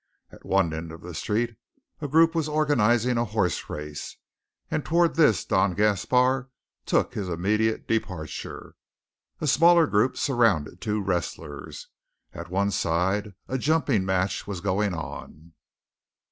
At one end of the street a group was organizing a horse race; and toward this Don Gaspar took his immediate departure. A smaller group surrounded two wrestlers. At one side a jumping match was going on.